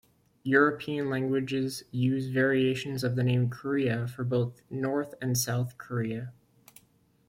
European languages use variations of the name "Korea" for both North and South Korea.